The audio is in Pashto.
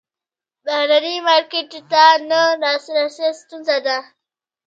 بهرني مارکیټ ته نه لاسرسی ستونزه ده.